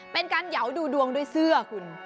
เป็นการเหยาวดูดวงด้วยเสื้อคุณ